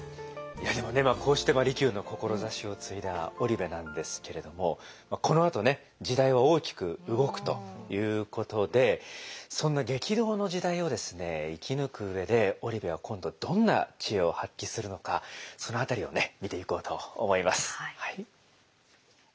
いやでもねこうして利休の志を継いだ織部なんですけれどもこのあと時代は大きく動くということでそんな激動の時代を生き抜く上で織部は今度どんな知恵を発揮するのかその辺りを見ていこうと思います。